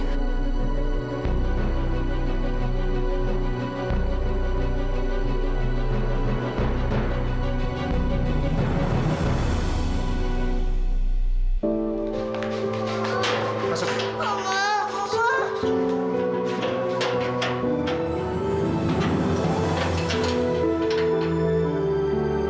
tidak boleh disini